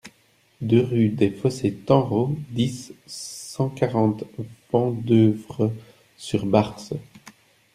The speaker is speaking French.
deux rue des Fossés Tanrot, dix, cent quarante, Vendeuvre-sur-Barse